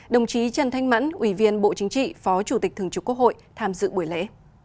đồng chí trần thanh mẫn ủy viên bộ chính trị phó chủ tịch thường trực quốc hội tham dự buổi lễ